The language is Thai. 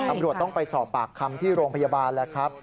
ตำรวจต้องไปสอบปากคำที่โรงพยาบาลแล้วครับ